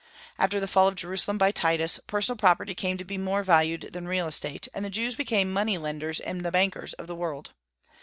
After the fall of Jerusalem by Titus, personal property came to be more valued than real estate, and the Jews became the money lenders and the bankers of the world.